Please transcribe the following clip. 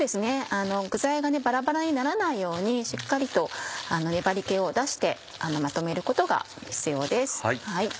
具材がバラバラにならないようにしっかりと粘り気を出してまとめることが必要です。